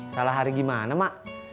salah hari gimana ma